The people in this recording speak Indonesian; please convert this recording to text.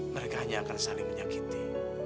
mereka hanya akan saling menyakiti